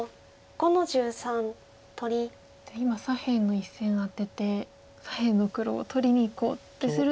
今左辺の１線アテて左辺の黒を取りにいこうってすると。